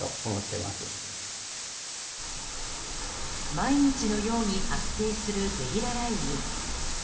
毎日のように発生するゲリラ雷雨。